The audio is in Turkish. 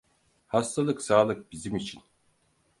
Hastalık sağlık bizim için.